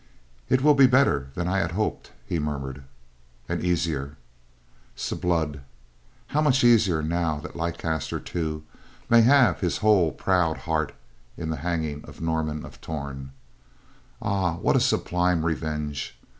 "It will be better than I had hoped," he muttered, "and easier. 'S blood! How much easier now that Leicester, too, may have his whole proud heart in the hanging of Norman of Torn. Ah, what a sublime revenge!